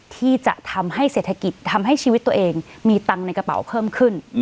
ที่จะทำให้เศรษฐกิจทำให้ชีวิตตัวเองมีตังค์ในกระเป๋าเพิ่มขึ้น